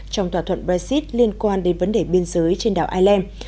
trong thỏa thuận brexit liên quan đến vấn đề biên giới trên đảo ireland